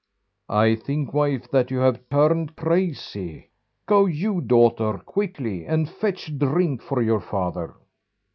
"I think, wife, that you have turned crazy. Go you, daughter, quickly, and fetch a drink for your father."